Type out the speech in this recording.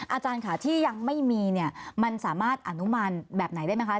อาจารย์ค่ะที่ยังไม่มีเนี่ยมันสามารถอนุมานแบบไหนได้ไหมคะ